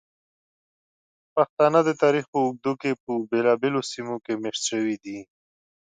پښتانه د تاریخ په اوږدو کې په بېلابېلو سیمو کې میشت شوي دي.